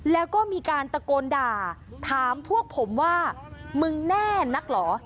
แล้วก็มีการตะโกนด่าถามพวกผมว่ามึงแน่นักเหรอ